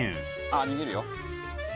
あっ逃げるよ。